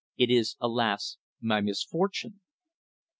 "It is, alas! my misfortune!"